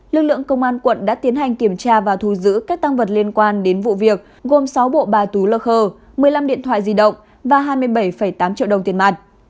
lực lượng công an quận đã tiến hành kiểm tra và thu giữ các tăng vật liên quan đến vụ việc gồm sáu bộ bà tú lơ một mươi năm điện thoại di động và hai mươi bảy tám triệu đồng tiền mặt